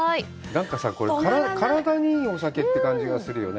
なんかさ、これ、体にいいお酒って感じがするよね。